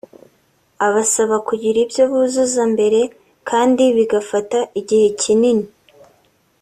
abasaba kugira ibyo buzuza mbere kandi bigafata igihe kinini